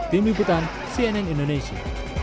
tim liputan cnn indonesia